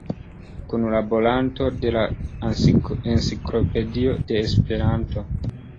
Kunlaboranto de la Enciklopedio de Esperanto.